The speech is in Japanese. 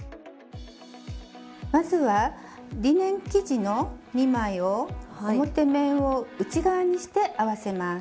まずはリネン生地の２枚を表面を内側にして合わせます。